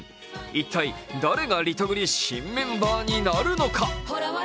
一体、誰がリトグリ新メンバーになるのか。